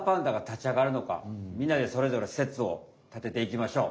みんなでそれぞれせつを立てていきましょう！